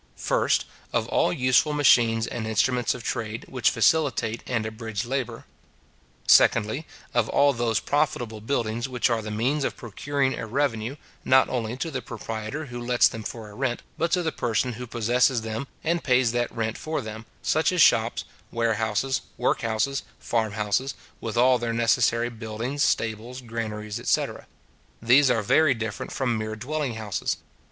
First, of all useful machines and instruments of trade, which facilitate and abridge labour. Secondly, of all those profitable buildings which are the means of procuring a revenue, not only to the proprietor who lets them for a rent, but to the person who possesses them, and pays that rent for them; such as shops, warehouses, work houses, farm houses, with all their necessary buildings, stables, granaries, etc. These are very different from mere dwelling houses.